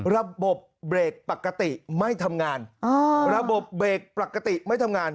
ระบบเบรกปกติไม่ทำงานระบบเบรกปกติไม่ทำงาน